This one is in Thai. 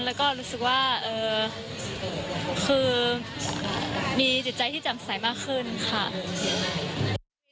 แล้วก็รู้สึกว่าเอ่อคือมีดิจใจที่จำใสมากขึ้นค่ะ